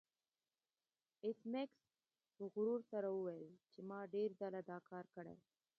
ایس میکس په غرور سره وویل چې ما ډیر ځله دا کار کړی